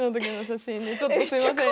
ちょっとすいません。